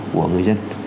của người dân